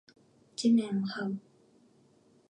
地面を這う